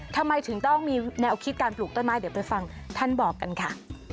ทำไมถึงต้องมีแนวคิดการปลูกต้นไม้เดี๋ยวไปฟังท่านบอกกันค่ะ